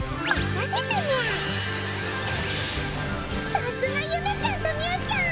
さすがゆめちゃんとみゅーちゃん！